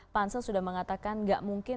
pansel sudah mengatakan gak mungkin